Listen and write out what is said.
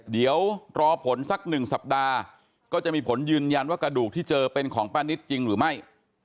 เดี๋ยวรอผลสัก๑สัปดาห์ก็จะมีผลยืนยันว่ากระดูกที่เจอเป็นของป้านิตจริงหรือไม่